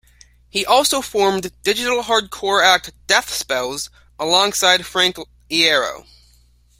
He also formed digital hardcore act, Death Spells, alongside Frank Iero.